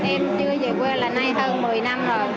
em chưa về quê là nay hơn một mươi năm rồi